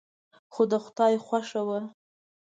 خو د خدای خوښه وه.